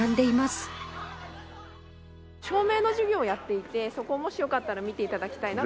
照明の授業をやっていてそこをもしよかったら見て頂きたいなと。